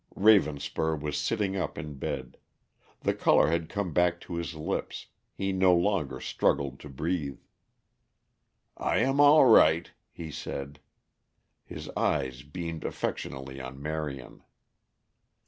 Ravenspur was sitting up in bed. The color had come back to his lips; he no longer struggled to breathe. "I am all right," he said. His eyes beamed affectionately on Marion.